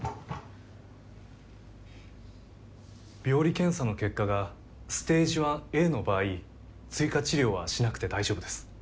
病理検査の結果がステージⅠＡの場合追加治療はしなくて大丈夫です。